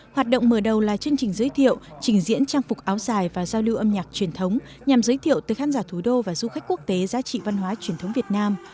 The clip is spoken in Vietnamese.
hoạt động mở đầu là chương trình giới thiệu trình diễn trang phục áo dài và giao lưu âm nhạc truyền thống nhằm giới thiệu tới khán giả thủ đô và du khách quốc tế giá trị văn hóa truyền thống việt nam